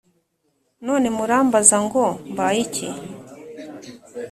None murambaza ngo mbaye iki?